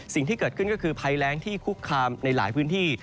สิ่งที่เกิดขึ้นก็คือภัยแรงที่คุกคามในหลายพื้นที่